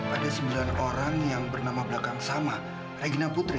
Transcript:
ada sembilan orang yang bernama belakang sama regina putri